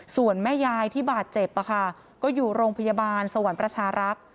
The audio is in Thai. ส่วนแม่ยายที่บาดเจ็บก็อยู่โรงพยาบาลสวรรค์ประชารักษ์